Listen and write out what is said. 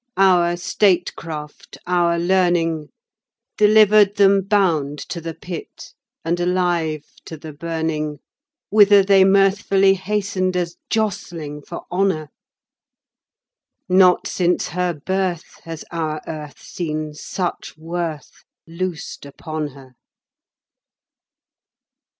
Our statecraft, our learning. Delivered them bound to the Pit and alive to the burning Whither they mirthfully hastened as jostling for honour. Not since her birth has our Earth seen such worth loosed upon her.